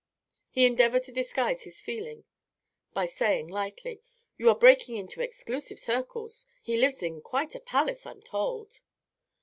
He endeavored to disguise his feeling by saying, lightly: "You are breaking into exclusive circles. He lives in quite a palace, I'm told."